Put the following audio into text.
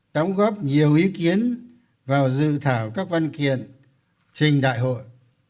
đóng góp nhiều ý kiến vào dự thảo các văn kiện trình đại hội